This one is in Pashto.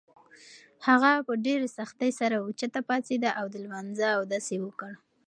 هغه په ډېرې سختۍ سره اوچته پاڅېده او د لمانځه اودس یې وکړ.